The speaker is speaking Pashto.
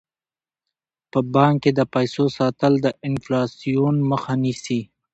په بانک کې د پیسو ساتل د انفلاسیون مخه نیسي.